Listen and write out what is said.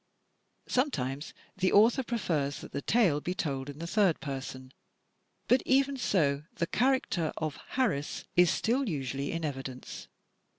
Sometimes the author prefers that the tale be told in the third person, but even so, the character of "Harris" is still usually in evidence.